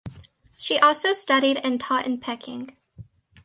She also studied and taught in Peking.